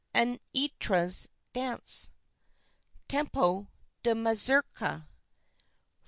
ANITRA'S DANCE (Tempo di Mazurka) 4.